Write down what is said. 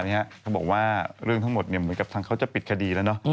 เขาบอกว่าเรื่องทั้งหมดเหมือนกับทางเขาจะปิดคดีแล้วเนอะ